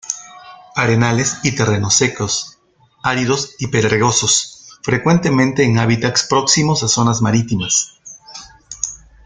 Arenales y terrenos secos, áridos y pedregosos, frecuentemente en hábitats próximos a zonas marítimas.